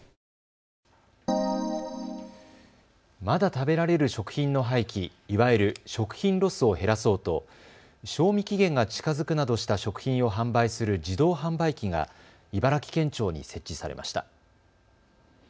まだ食べられる食品の廃棄、いわゆる食品ロスを減らそうと賞味期限が近づくなどした食品を販売する自動販売機が茨城県庁に設置されました。